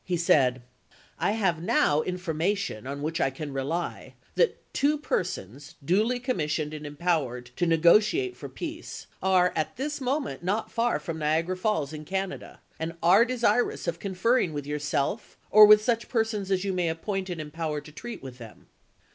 He said :" I have now informa tion, on which I can rely, that two persons, duly commissioned and empowered to negotiate for peace, are at this moment not far from Niagara Falls in Canada, and are desirous of conferring with yourself, or with such persons as you may appoint and empower to treat with them.